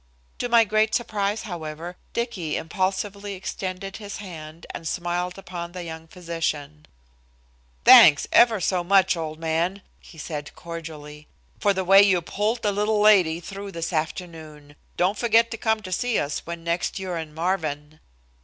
To my great surprise, however, Dicky impulsively extended his hand and smiled upon the young physician: "Thanks ever so much, old man," he said cordially, "for the way you pulled the little lady through this afternoon. Don't forget to come to see us when next you're in Marvin."